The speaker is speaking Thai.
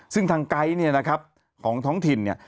ซึ่งทางไก๊เนี่ยนะครับของท้องถิ่นเนี่ย